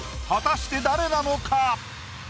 果たして誰なのか？